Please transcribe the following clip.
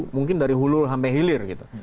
mungkin dari hulu sampai hilir gitu